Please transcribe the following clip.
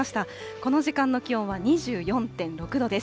この時間の気温は２４．６度です。